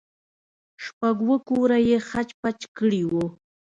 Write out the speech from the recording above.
شپږ اوه کوره يې خچ پچ کړي وو.